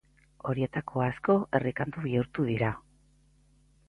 Horietako asko herri-kantu bihurtu dira.